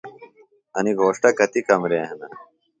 انیۡ گھوݜٹہ کتیۡ کمرے ہِنہ؟